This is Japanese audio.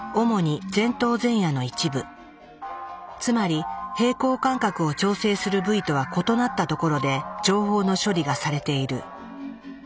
つまり平衡感覚を調整する部位とは異なったところで情報の処理がされている。